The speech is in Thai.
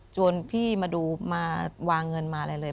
พี่มาดูมาวางเงินมาอะไรเลย